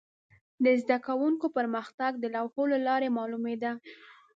د زده کوونکو پرمختګ د لوحو له لارې معلومېده.